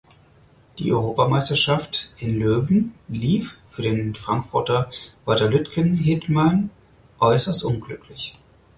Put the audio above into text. Die Europameisterschaft in Löwen lief für den Frankfurter Walter Lütgehetmann äußerst unglücklich.